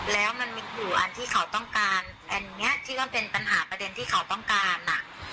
แล้วมันมีขู่อันที่เขาต้องการอันนี้ที่ก็เป็นปัญหาประเด็นที่เขาต้องการอ่ะ